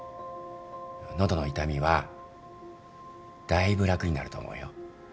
喉の痛みはだいぶ楽になると思うよ。